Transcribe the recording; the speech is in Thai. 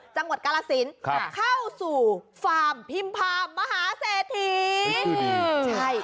จังหวัดกาลสินเข้าสู่ฟาร์มพิมพามหาเศรษฐี